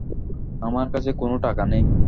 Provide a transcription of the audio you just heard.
আমার কাছে কোনো টাকা নেই।